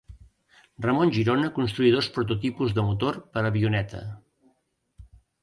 Ramon Girona construí dos prototipus de motor per a avioneta.